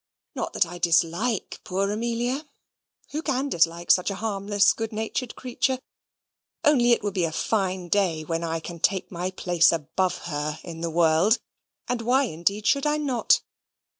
Not that I dislike poor Amelia: who can dislike such a harmless, good natured creature? only it will be a fine day when I can take my place above her in the world, as why, indeed, should I not?"